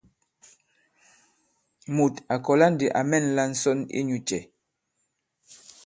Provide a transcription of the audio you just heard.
Mùt à kɔ̀la ndī à mɛ̂nla ǹsɔn inyū cɛ ?